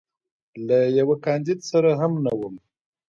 له یوه کاندید سره هم نه وم.